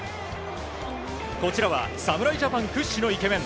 こちらは侍ジャパン屈指のイケメン